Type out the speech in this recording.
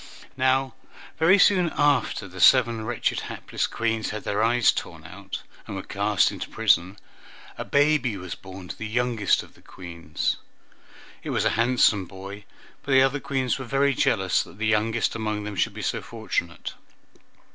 Now, very soon after the seven wretched hapless Queens had their eyes torn out, and were cast into prison, a baby was born to the youngest of the Queens. It was a handsome boy, but the other Queens were very jealous that the youngest among them should be so fortunate.